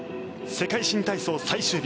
世界新体操最終日。